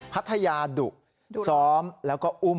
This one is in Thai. พัทยาดุซ้อมแล้วก็อุ้ม